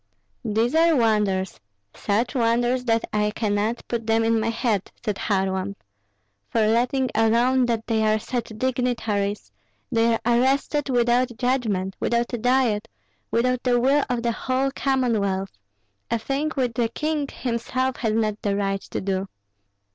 "These are wonders, such wonders that I cannot put them in my head," said Kharlamp; "for letting alone that they are such dignitaries, they are arrested without judgment, without a diet, without the will of the whole Commonwealth, a thing which the king himself has not the right to do."